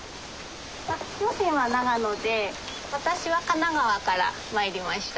あっ両親は長野で私は神奈川から参りました。